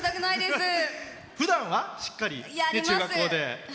ふだんは、しっかり中学校で。